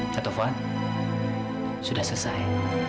taufan sudah selesai